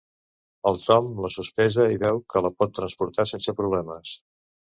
El Tom la sospesa i veu que la pot transportar sense problemes.